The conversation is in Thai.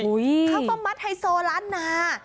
ข้าวต้มมัดไฮโซล้านนา